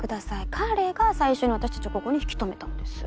彼が最初に私たちをここに引き留めたんです。